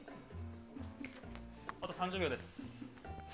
あと３０秒です。